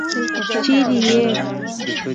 څرې يې؟